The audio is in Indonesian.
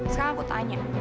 sekarang aku tanya